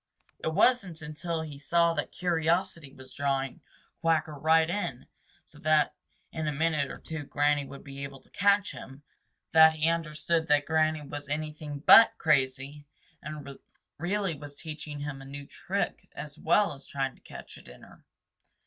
It wasn't until he saw that curiosity was drawing Quacker right in so that in a minute or two Granny would be able to catch him, that he understood that Granny was anything but crazy, and really was teaching him a new trick as well as trying to catch a dinner.